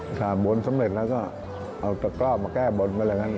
อาการบนสำเร็จนะก็เอาตะกร้าวมาแก้บนไปแล้วนะ